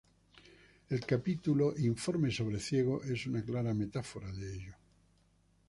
El capítulo "Informe sobre ciegos" es una clara metáfora de ello.